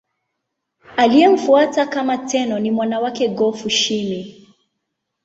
Aliyemfuata kama Tenno ni mwana wake Go-Fushimi.